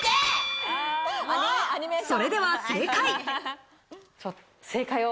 それでは正解。